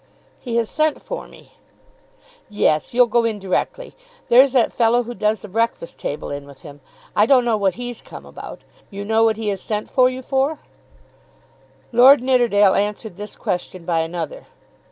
"He has sent for me." "Yes, you'll go in directly. There's that fellow who does the 'Breakfast Table' in with him. I don't know what he's come about. You know what he has sent for you for?" Lord Nidderdale answered this question by another.